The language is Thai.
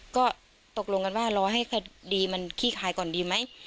ก็ตกลงกันว่ารอให้คดีมันขี้คายก่อนดีไหม